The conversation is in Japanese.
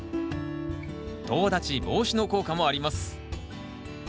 とう立ち防止の効果もあります。